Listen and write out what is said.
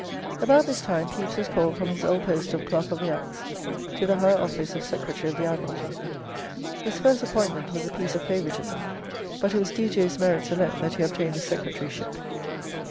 About this time Pepys was called from his old post of Clerk of the Acts to the higher office of Secretary of the Admiralty. His first appointment was a piece of favouritism, but it was due to his merits alone that he obtained the secretaryship.